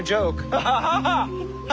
アアハハ。